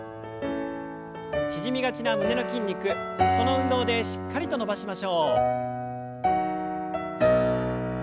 縮みがちな胸の筋肉この運動でしっかりと伸ばしましょう。